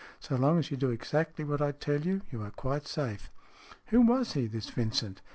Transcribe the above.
So long as you do exactly what I tell you, you are quite safe." " Who was he, this Vincent